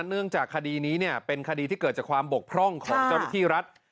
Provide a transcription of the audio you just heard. เนื่องจากคดีนี้เป็นคดีที่เกิดจากความบกพร่องของเจ้าหน้าที่รัฐ